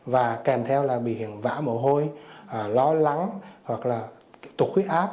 và kèm theo là biểu hiện vã mồ hôi lo lắng hoặc là tụt khuyết áp